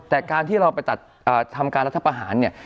แต่การที่เราไปตัดทำการรัฐประหารเนี่ย